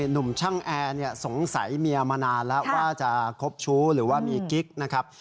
หนุ่มช่างแอร์สงสัยเมียมานานแล้วว่าจะคบชู้หรือว่ามีกิ๊กนะครับ